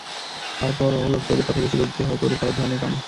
তার পরও লোকে ওদের কথাই বেশি বলত হয়তো ওদের খেলার ধরনের কারণে।